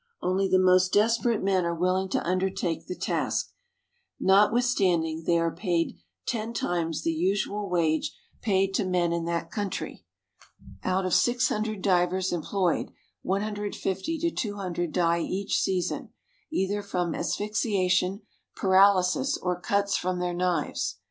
Only the most desperate men are willing to undertake the task, notwithstanding they are paid ten times the usual wage paid to men in that country. Out of 600 divers employed, 150 to 200 die each season, either from asphyxiation, paralysis, or cuts from their knives.